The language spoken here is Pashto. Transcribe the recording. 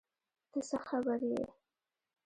ته څه خبر یې ؟